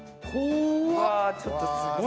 うわーちょっとすごい。